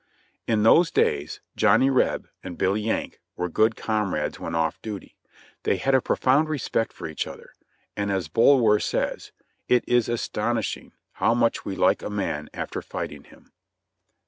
In those days "Johnny Reb" and "Billy Yank" were good com rades when off duty. They had a profound respect for each other, and, as Bulwer says, "It is astonishing how much we like a man after fighting him."